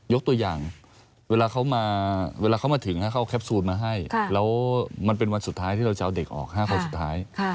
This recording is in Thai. ตัวอย่างเวลาเขามาเวลาเขามาถึงเขาเอาแคปซูลมาให้แล้วมันเป็นวันสุดท้ายที่เราจะเอาเด็กออก๕คนสุดท้าย